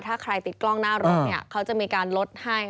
ถ้าใครติดกล้องหน้ารถเนี่ยเขาจะมีการลดให้